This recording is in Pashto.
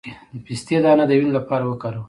د پسته دانه د وینې لپاره وکاروئ